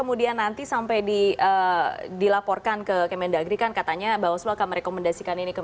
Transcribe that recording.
kemudian nanti sampai di dilaporkan ke kemendagri kan katanya bahwa selalu akan merekomendasikan ini